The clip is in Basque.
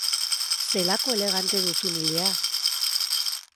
Zelako elegante duzun ilea!